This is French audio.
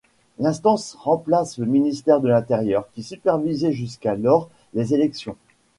L'instance remplace le ministère de l'Intérieur qui supervisait jusqu'alors les élections.